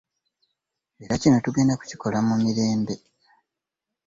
Era kino tugenda kukikola mu mirembe